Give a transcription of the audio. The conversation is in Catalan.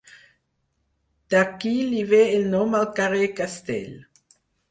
D'aquí li ve el nom al carrer Castell.